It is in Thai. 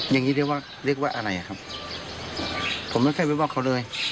อย่างนี้เรียกว่าเรียกว่าอะไรอ่ะครับผมไม่เคยไปบอกเขาเลย